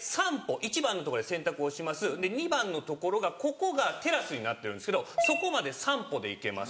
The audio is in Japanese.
１番のとこで洗濯をしますで２番のところがここがテラスになってるんですけどそこまで３歩で行けます。